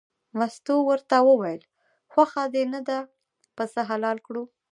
مستو ورته وویل خوښه دې نه ده پسه حلال کړو.